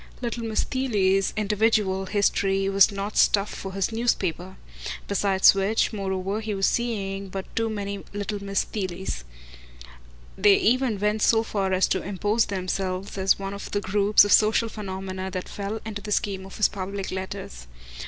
Little Miss Theale's individual history was not stuff for his newspaper; besides which, moreover, he was seeing but too many little Miss Theales. They even went so far as to impose themselves as one of the groups of social phenomena that fell into the scheme of his public letters.